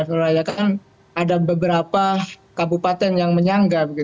seluraya kan ada beberapa kabupaten yang menyanggap